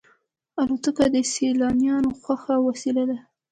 الوتکه د سیلانیانو خوښه وسیله ده.